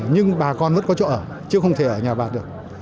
nhưng bà con vẫn có chỗ ở chứ không thể ở nhà bạc được